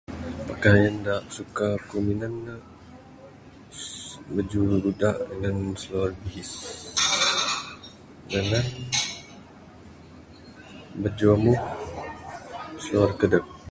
Pikayan da suka aku minan ne susss Bajuh buda ngan siluar bihis dangan bajuh ambuh, siluar kedek.